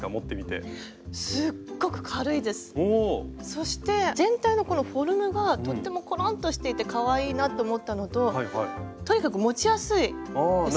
そして全体のこのフォルムがとってもコロンとしていてかわいいなって思ったのととにかく持ちやすいですね。